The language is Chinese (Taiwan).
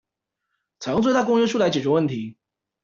採用最大公約數來解決問題